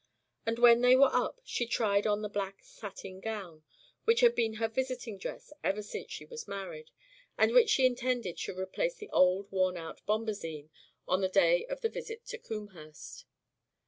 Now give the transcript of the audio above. And when they were up, she tried on the black satin gown, which had been her visiting dress ever since she was married, and which she intended should replace the old, worn out bombazine on the day of the visit to Combehurst.